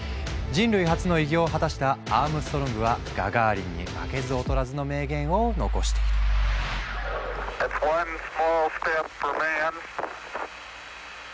人類初の偉業を果たしたアームストロングはガガーリンに負けず劣らずの名言を残している。